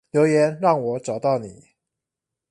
留言讓我找到你